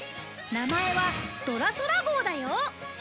名前は「ドラそら号」だよ